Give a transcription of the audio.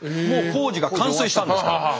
もう工事が完成したんですから。